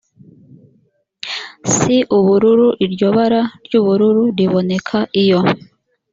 si ubururu iryo bara ry ubururu riboneka iyo